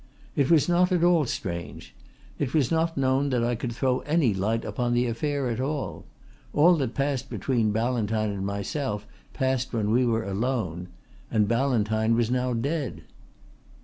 "It was not at all strange. It was not known that I could throw any light upon the affair at all. All that passed between Ballantyne and myself passed when we were alone; and Ballantyne was now dead."